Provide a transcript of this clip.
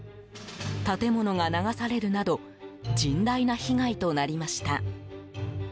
建物が流されるなど甚大な被害となりました。